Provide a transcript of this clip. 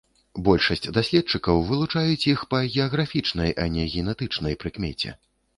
Большасць даследчыкаў вылучаюць іх па геаграфічнай, а не генетычнай прыкмеце.